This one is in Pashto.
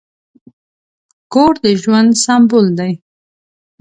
کور د ژوند سمبول دی.